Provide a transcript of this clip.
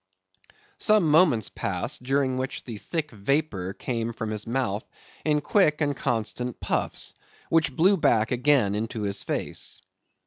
Some moments passed, during which the thick vapor came from his mouth in quick and constant puffs, which blew back again into his face.